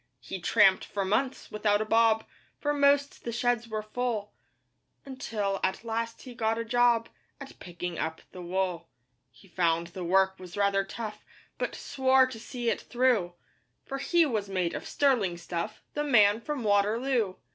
He tramped for months without a bob, For most the sheds were full, Until at last he got a job At picking up the wool. He found the work was rather rough, But swore to see it through, For he was made of sterling stuff The Man from Waterloo.